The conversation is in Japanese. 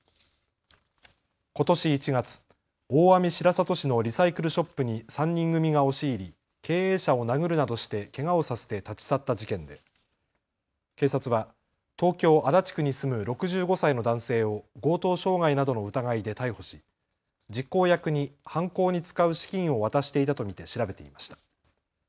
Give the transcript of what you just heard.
ことし１月、大網白里市のリサイクルショップに３人組が押し入り経営者を殴るなどしてけがをさせて立ち去った事件で警察は東京足立区に住む６５歳の男性を強盗傷害などの疑いで逮捕し実行役に犯行に使う資金を渡していたと見て調べていました。